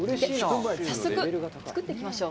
早速作っていきましょう。